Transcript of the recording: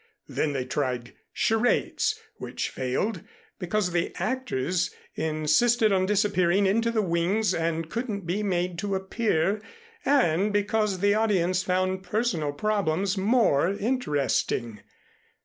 Then they tried charades which failed because the actors insisted on disappearing into the wings and couldn't be made to appear, and because the audience found personal problems more interesting.